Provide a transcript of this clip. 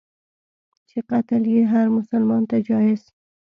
چي قتل یې هرمسلمان ته جایز.